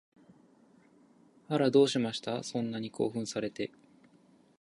あら、どうしました？そんなに興奮されて